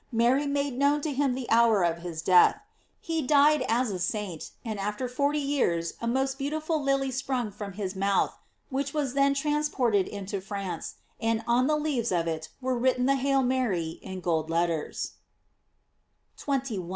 Mary made known to him the hour of his death. He died as a saint; and after forty years a most beautiful lily sprung from his mouth, which was then transported into France, and on the leaves of it was written the "Hail Mary," in letters of gold.J 21.